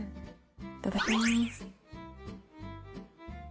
いただきます。